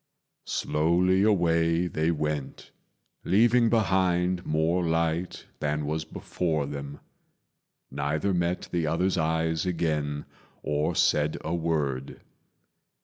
Slowly away they went, leaving behind More light than was before them. Neither met The other's eyes again or said a word.